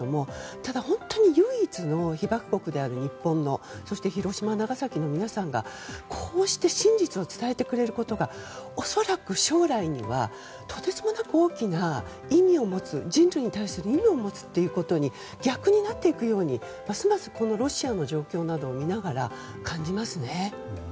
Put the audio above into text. ただ、本当に唯一の被爆国である日本のそして広島、長崎の皆さんがこうして真実を伝えてくれることが恐らく、将来にはとてつもなく大きな意味を持つ人類に対する意味を持つことに逆になっていくようにますますロシアの状況を見ながら感じますね。